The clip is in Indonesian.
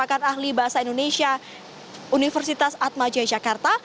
pakar ahli bahasa indonesia universitas atmaja jakarta